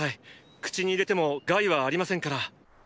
口に入れても害はありませんから。